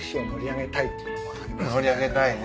盛り上げたいね。